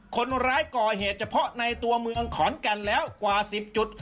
คนร้ายก่อเหตุเฉพาะในตัวเมืองขอนแก่นแล้วกว่า๑๐จุด